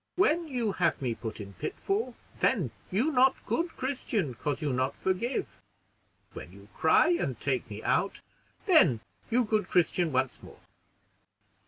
When you have me put in pitfall, then you not good Christian, 'cause you not forgive; when you cry and take me out, then you good Christian once more."